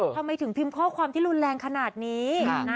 ทำไมถึงพิมพ์ข้อความที่รุนแรงขนาดนี้